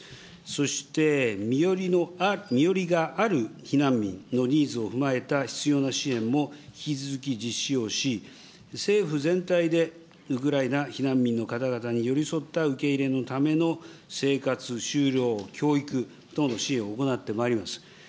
そして身寄りがある避難民のニーズを踏まえた必要な支援も引き続き実施をし、政府全体でウクライナ避難民の方々に寄り添った受け入れのための生活、就労、教育等の支援を行ってまいります。